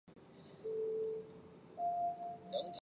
传言说下一个受害者将是常青外语高中的学生。